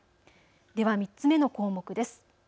では３つ目の項目です。